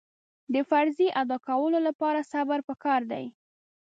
د فریضې ادا کولو لپاره صبر پکار دی.